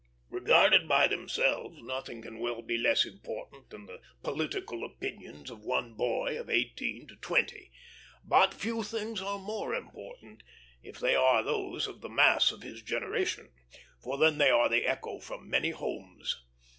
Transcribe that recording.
Regarded by themselves, nothing can well be less important than the political opinions of one boy of eighteen to twenty; but few things are more important, if they are those of the mass of his generation, for then they are the echo from many homes.